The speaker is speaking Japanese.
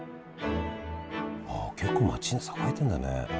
ああ結構街も栄えてるんだね。